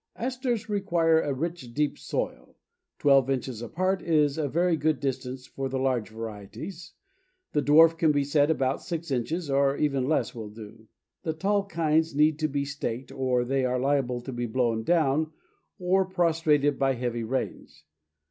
Asters require a rich, deep soil. Twelve inches apart is a very good distance for the large varieties, the dwarf can be set about six inches, or even less will do. The tall kinds need to be staked, or they are liable to be blown down, or prostrated by heavy rains.